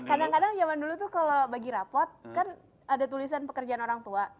kadang kadang zaman dulu tuh kalau bagi rapot kan ada tulisan pekerjaan orang tua